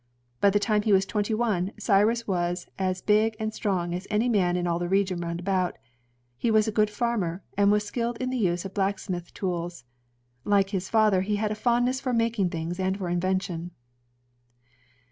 By the time he was twenty one, Cyrus was as big and strong as any man in all the region round about; he was a good farmer, and was skilled in the use of black smith tools. Like his father, he had a fondness for making things and for invention.